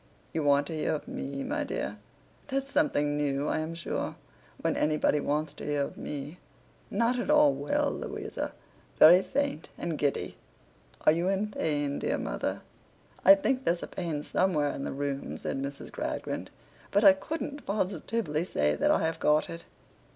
'You want to hear of me, my dear? That's something new, I am sure, when anybody wants to hear of me. Not at all well, Louisa. Very faint and giddy.' 'Are you in pain, dear mother?' 'I think there's a pain somewhere in the room,' said Mrs. Gradgrind, 'but I couldn't positively say that I have got it.